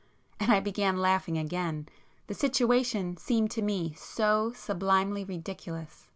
And I began laughing again; the situation seemed to me so sublimely ridiculous.